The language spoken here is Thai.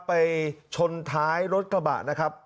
ไปชนท้ายรถกระบะนะครับ